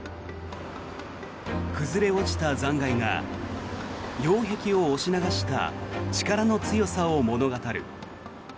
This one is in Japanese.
崩れ落ちた残骸が擁壁を押し流した力の強さを物語る。